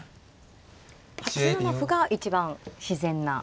８七歩が一番自然な。